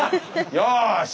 よし！